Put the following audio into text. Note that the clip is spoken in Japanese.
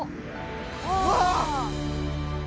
うわ！